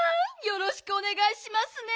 よろしくおねがいしますね。